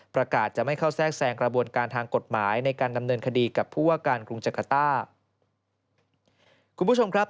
ประกาถจะไม่เข้าแทรกแสงกระบวนการทางกฎหมายในการดำเนินคดีกันกับผู้ว่าการทริยศครุงจักรต้า